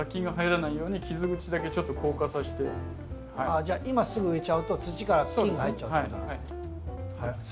じゃあ今すぐ植えちゃうと土から菌が入っちゃうってことなんですか。